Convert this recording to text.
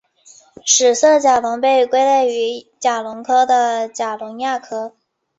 史色甲龙被归类于甲龙科的甲龙亚科。